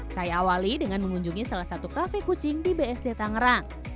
saya awali dengan mengunjungi salah satu kafe kucing di bsd tangerang